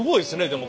でも。